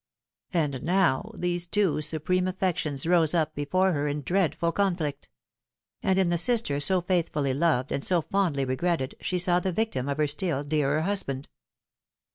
And now these two supreme affections rose up before her in dreadful conflict ; and in the sister so faithfully loved and so fondly regretted she saw the victim of her still dearer husband.